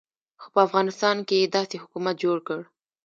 خو په افغانستان کې یې داسې حکومت جوړ کړ.